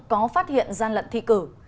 có phát hiện gian lận thi cử